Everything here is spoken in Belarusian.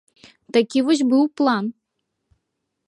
Такі вось быў план.